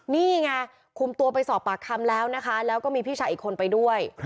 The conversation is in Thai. นี่ไงคุมตัวไปสอบปากคำแล้วนะคะแล้วก็มีพี่ชายอีกคนไปด้วย